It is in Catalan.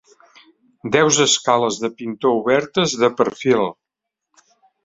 Deus escales de pintor obertes, de perfil.